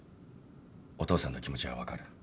お父さんの気持ちは分かる。